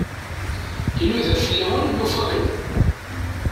Inuda fell-awen, yufa-ken.